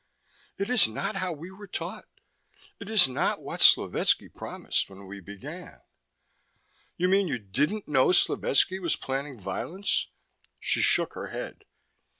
It is not how we were taught. It is not what Slovetski promised, when we began." "You mean you didn't know Slovetski was planning violence?" She shook her head.